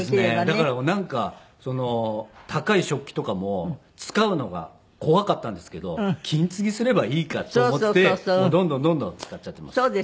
だからなんか高い食器とかも使うのが怖かったんですけど金継ぎすればいいかって思ってどんどんどんどん使っちゃっています。